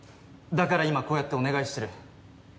だから今こうやってお願いしてる。